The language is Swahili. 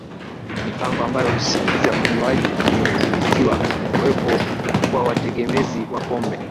Mipango ambayo husisitiza unywaji uliodhibitiwa huwepo kwa wategemezi wa pombe